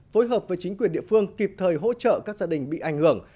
phối hợp với chính quyền địa phương kịp thời hỗ trợ các gia đình bị ảnh hưởng